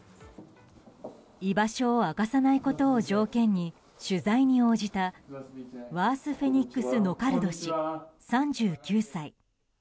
居場所を明かさないことを条件に、取材に応じたワースフェニックス・ノカルド氏３９歳。